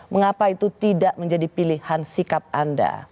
mengapa itu tidak menjadi pilihan sikap anda